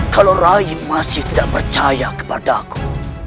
kalau rahim masih tidak percaya kepadaku